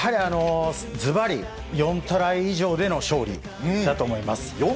ずばり４トライ以上での勝利だと思います。